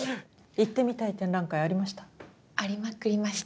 行ってみたい展覧会ありました？